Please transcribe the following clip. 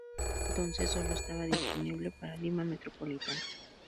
En ese entonces, sólo estaba disponible para Lima Metropolitana.